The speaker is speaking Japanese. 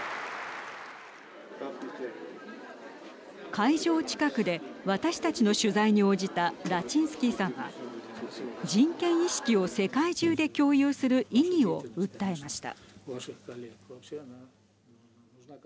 会場近くで私たちの取材に応じたラチンスキーさんは人権意識を世界中で共有する意義を訴えました。